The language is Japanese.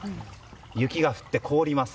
雪が降って、凍ります。